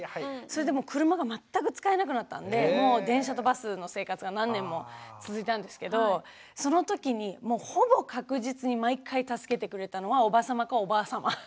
それで車が全く使えなくなったんで電車とバスの生活が何年も続いたんですけどそのときにもうほぼ確実に毎回助けてくれたのはおば様かおばあ様。